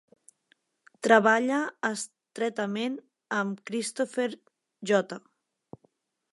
Treballa estretament amb Christopher J.